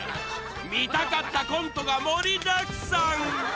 見たかったコントが盛りだくさん！